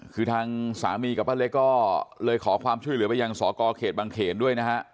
คือทางสามีกับป้าเล็กก็เลยขอความช่วยเหลือไปยังสกเขตบางเขนด้วยนะฮะ